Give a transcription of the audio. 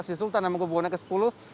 si sultan nama kebukwannya ke sepuluh